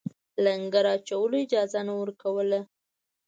لنګر اچولو اجازه نه ورکوله.